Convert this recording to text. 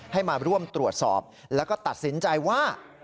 ให้มาร่วมตรวจสอบแล้วก็ตัดสินใจว่า